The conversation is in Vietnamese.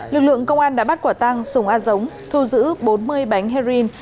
lực lượng công an đã bắt quả tăng sùng a giống thu giữ bốn mươi bánh heroin